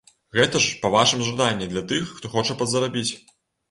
Гэта ж па вашым жаданні, для тых, хто хоча падзарабіць.